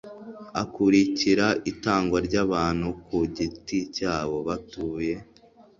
akurikira itangwa ry abantu ku giti cyabo batuye